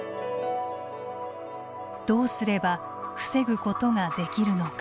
どうすれば防ぐことができるのか。